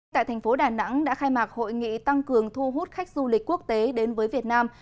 tại thành phố đà nẵng đã khai mạc hội nghị tăng cường thu hút khách du lịch quốc tế đến với việt nam